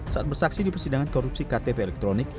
saat bersaksi di persidangan korupsi ktp elektronik